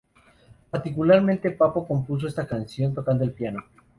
Particularmente Pappo compuso esta canción tocando el piano.